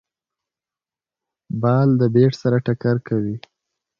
بال د بېټ سره ټکر کوي.